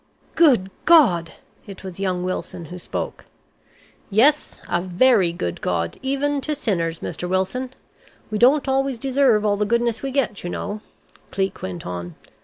"Good God!" It was young Wilson who spoke. "Yes, a very good God even to sinners, Mr. Wilson. We don't always deserve all the goodness we get, you know," Cleek went on.